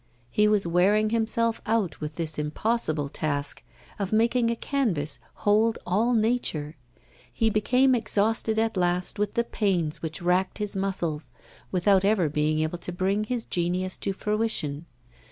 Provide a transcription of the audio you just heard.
He was wearing himself out with this impossible task of making a canvas hold all nature; he became exhausted at last with the pains which racked his muscles without ever being able to bring his genius to fruition.